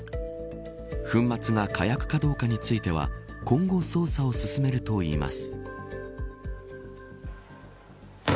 粉末が火薬がどうかについては今後、捜査を進めるといいます。